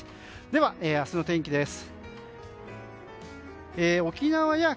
では、明日の天気です。